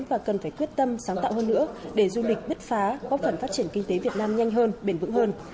và cần phải quyết tâm sáng tạo hơn nữa để du lịch bứt phá góp phần phát triển kinh tế việt nam nhanh hơn bền vững hơn